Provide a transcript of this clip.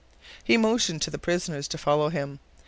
He motioned to the prisoners to follow him.